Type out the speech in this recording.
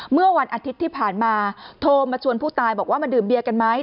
เมื่อวันอาทิตย์ที่ผ่านมาโทรมาชวนผู้ตายบอกว่ามาดื่มเบียร์กันไหม